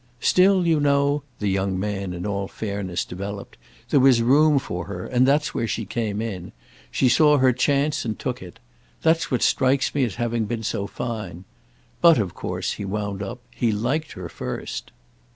Still, you know," the young man in all fairness developed, "there was room for her, and that's where she came in. She saw her chance and took it. That's what strikes me as having been so fine. But of course," he wound up, "he liked her first."